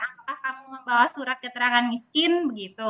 apakah kamu membawa surat keterangan miskin begitu